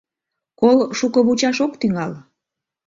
Кол шуко вучаш ок тӱҥал.